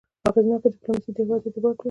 اغېزناکه ډيپلوماسي د هېواد اعتبار لوړوي.